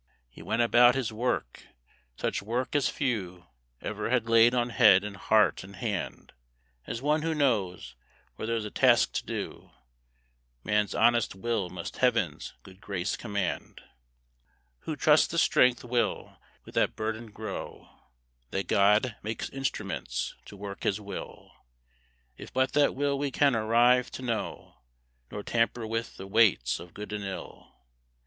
He went about his work such work as few Ever had laid on head and heart and hand As one who knows, where there's a task to do, Man's honest will must Heaven's good grace command; Who trusts the strength will with the burden grow, That God makes instruments to work His will, If but that will we can arrive to know, Nor tamper with the weights of good and ill.